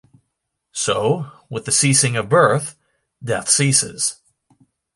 So, with the ceasing of birth, death ceases.